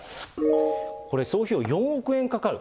これ、総費用４億円かかる。